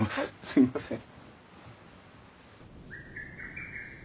すいません。